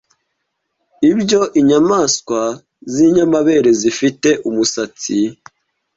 Ibyo inyamaswa z’inyamabere zifite umusatsi